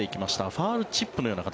ファウルチップのような形。